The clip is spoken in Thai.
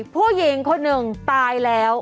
ผู้หญิงคนหนึ่งตายแล้ว